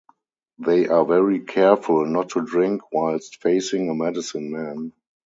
They are very careful not to drink whilst facing a medicine man.